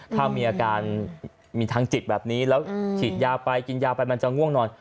ถ้ามีอาการมีทางจิตแบบนี้แล้วฉีดยาไปกินยาไปมันจะง่วงนอน